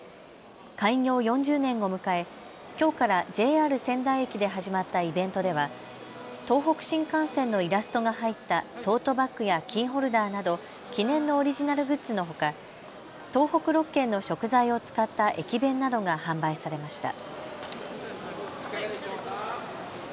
開業４０年を迎えきょうからＪＲ仙台駅で始まったイベントでは東北新幹線のイラストが入ったトートバッグやキーホルダーなど記念のオリジナルグッズのほか東北６県の食材を使った駅弁などが販売されました。